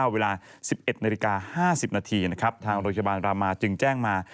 เวลา๑๑นาฬิกา๕๐นาทีนะครับทางโรงพยาบาลรามาจึงแจ้งมา